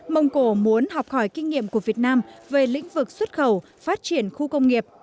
mông cổ muốn học hỏi kinh nghiệm của việt nam về lĩnh vực xuất khẩu phát triển khu công nghiệp